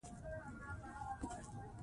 چار مغز د افغانستان د ځایي اقتصادونو بنسټ دی.